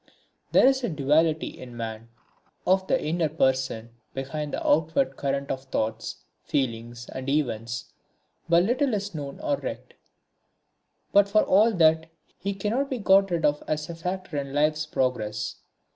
There is a duality in man. Of the inner person, behind the outward current of thoughts, feelings and events, but little is known or recked; but for all that, he cannot be got rid of as a factor in life's progress.